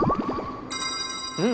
うん！